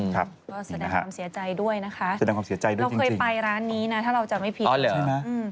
ก็แสดงความเสียใจด้วยนะครับเราเคยไปร้านนี้นะถ้าเราจำไม่ผิด